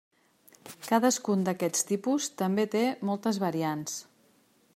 Cadascun d'aquests tipus també té moltes variants.